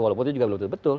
walaupun itu juga betul betul